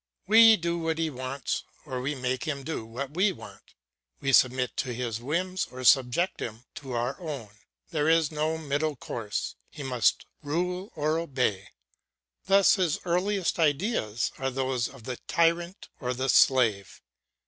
We do what he wants or we make him do what we want, we submit to his whims or subject him to our own. There is no middle course; he must rule or obey. Thus his earliest ideas are those of the tyrant or the slave.